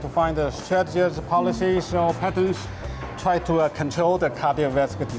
kami juga berusaha menemui strategi polisi atau patensi untuk merawati penyebab penyakit kardiologis